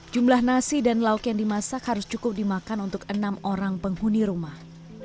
jumlah nasi dan lauk yang dimasak harus cukup dimakan untuk enam orang penghuni rumah